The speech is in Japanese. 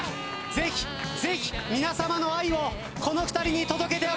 ぜひぜひ皆さまの愛をこの２人に届けてあげてください。